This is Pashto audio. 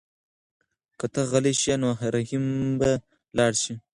که ته غلی شې نو رحیم به لاړ شي.